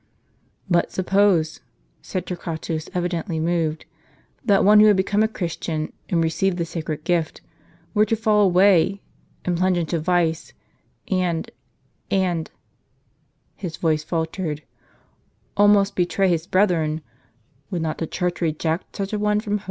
"But suppose," said Torquatus, evidently moved, "that one who had become a Christian, and received the sacred Gift, were to fall away, and plunge into vice, and — and" — (his voice faltered) —" almost betray his brethren, would not the Church reject such a one from hope?"